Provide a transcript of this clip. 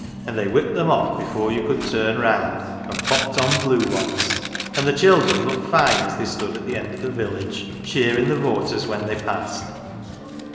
And they whipped them off before you could turn round, and popped on blue ones. And the children looked fine as they stood at the end o' the village, cheerin' the voters when they passed.